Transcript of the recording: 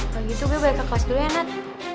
kalau gitu gue balik ke kelas dulu ya nat